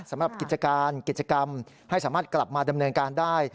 สำหรับกิจการกิจกรรมให้สามารถกลับมาดำเนินการได้